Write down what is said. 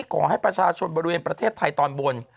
ขอให้ประชาชนบริเวณประเทศไทยตอนบน